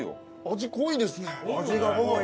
味濃いですね。